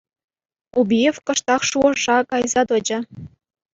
Убиев кӑштах шухӑша кайса тӑчӗ.